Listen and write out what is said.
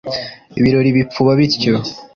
ibirori bipfuba bityo;